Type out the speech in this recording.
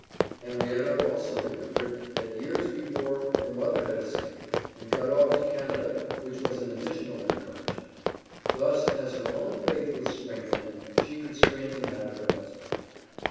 Henrietta also remembered, that years before her mother had escaped, and got off to Canada, which was an additional encouragement. Thus, as her own faith was strengthened, she could strengthen that of her husband.